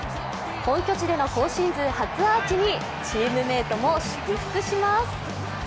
本拠地での今シーズン初アーチにチームメートも祝福します。